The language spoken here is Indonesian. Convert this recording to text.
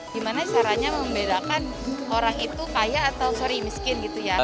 gimana caranya membedakan orang itu kaya atau sorry miskin gitu ya